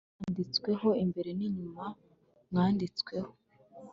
wari wanditsweho imbere n,inyuma mwanditsweho